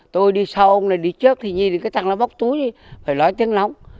tôi đi sau ông này đi trước thì nhìn thấy cái thằng nó bóc túi phải nói tiếng lóng